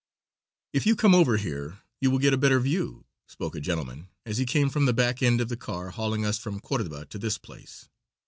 "If you come over here you will get a better view," spoke a gentleman as he came from the back end of the car hauling us from Cordoba to this place.